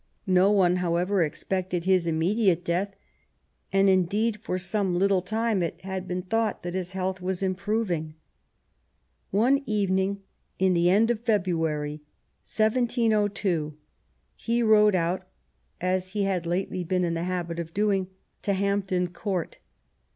No one, however, expected his immediate death, and indeed for some little time it had been thought that his health was improving. One evening in the end of February, 1702, he rode out, as he had lately been in the habit of doing, to Hampton Court.